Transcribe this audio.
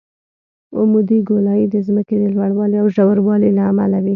عمودي ګولایي د ځمکې د لوړوالي او ژوروالي له امله وي